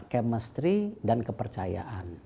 kemestri dan kepercayaan